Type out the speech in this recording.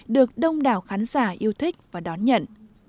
được đông đảo khán giả yêu thích và đón nhận